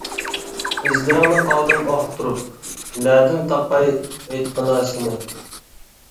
ئىزلىرىڭنى قالدىم ئاختۇرۇپ، نەدىن تاپاي؟ ئېيتقىنا سېنى.